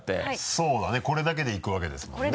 そうだねこれだけでいくわけですもんね。